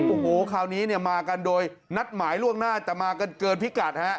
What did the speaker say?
โอ้โหคราวนี้เนี่ยมากันโดยนัดหมายล่วงหน้าแต่มากันเกินพิกัดฮะ